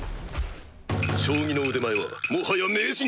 将棋の腕前はもはや名人級。